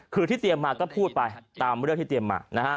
คือที่เตรียมมาก็พูดไปตามเรื่องที่เตรียมมานะฮะ